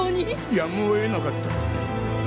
やむをえなかった。